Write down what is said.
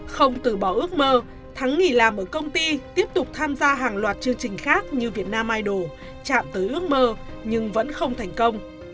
không từ bỏ ước mơ thắng nghỉ làm ở công ty tiếp tục tham gia hàng loạt chương trình khác như việt nam idol chạm tới ước mơ nhưng vẫn không thành công